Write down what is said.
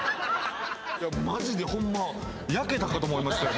マジでホンマ焼けたかと思いましたよ